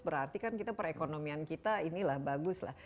berarti kan kita perekonomian kita inilah baguslah